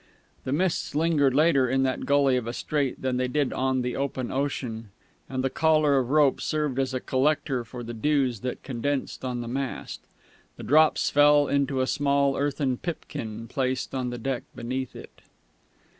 The mists lingered later in that gully of a strait than they did on the open ocean, and the collar of rope served as a collector for the dews that condensed on the mast. The drops fell into a small earthen pipkin placed on the deck beneath it.